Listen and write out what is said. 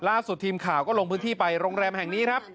ล่าสุดทีมข่าวก็ลงพื้นที่ไปโรงแรมแห่งนี้ครับ